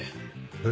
え。